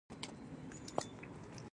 نیم دایروي سوري د بدن په تعادل کې رول لري.